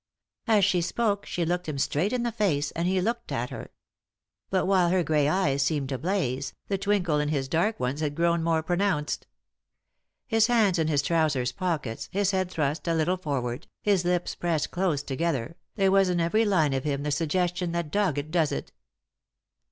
As she spoke she looked him straight in the face, and he looked her. But while her grey eyes seemed to blaze, the twinkle in his dark ones had grown more pronounced. His hands in his trousers pockets, his head thrust a little forward, his lips pressed close together, there was in every line of him the suggestion that dogged does it.